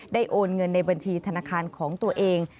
โอนเงินในบัญชีธนาคารของตัวเอง